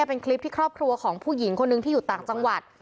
เป็นคลิปที่ครอบครัวของผู้หญิงคนนึงที่อยู่ต่างจังหวัด